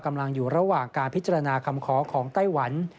อยู่ระหว่างการพิจารณาคำขอของไต้หวัน